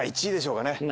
１位でしょうかね。